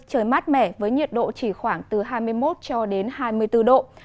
trời mát mẻ với nhiệt độ chỉ khoảng từ hai mươi một cho đến hai mươi bốn độ